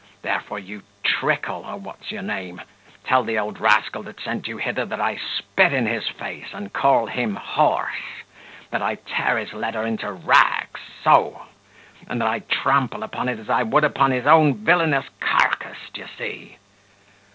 Therefore, you Trickle, or what's your name, tell the old rascal that sent you hither, that I spit in his face, and call him horse; that I tear his letter into rags, so; and that I trample upon it as I would upon his own villainous carcase, d'ye see."